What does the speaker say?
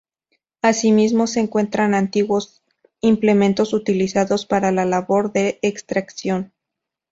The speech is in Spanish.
Asimismo se encuentran antiguos implementos utilizados para la labor de extracción.